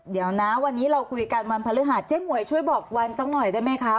เดี๋ยวนะวันนี้เราคุยกันวันพฤหัสเจ๊หมวยช่วยบอกวันสักหน่อยได้ไหมคะ